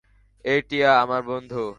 এ টিয়া, আমার বন্ধু।